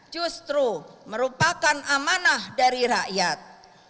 justru merupakan amanah dari rakyat